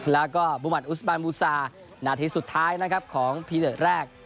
แล้วก็มุมัติอุสบานบูซานาทีสุดท้ายนะครับของพีเดิร์ดแรก